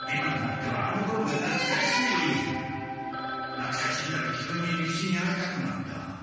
なつかしんだら急に利吉に会いたくなった。